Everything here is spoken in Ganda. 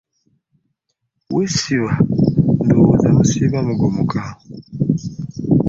We ssibeera ndowooza musiiba mugomoka.